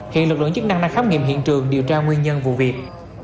hiện lực lượng chức năng đang khám nghiệm hiện trường điều tra nguyên nhân vụ việc